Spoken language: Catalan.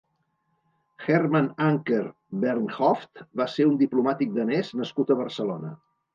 Herman Anker Bernhoft va ser un diplomàtic danès nascut a Barcelona.